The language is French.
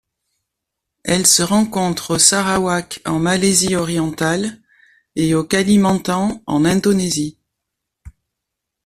Elle se rencontre au Sarawak en Malaisie orientale et au Kalimantan en Indonésie.